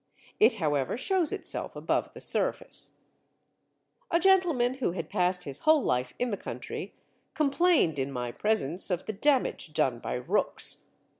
It, however, shows itself above the surface. A gentleman who had passed his whole life in the country complained, in my presence, of the damage done by rooks.